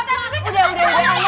masa gak ada yang mau nyelakain kita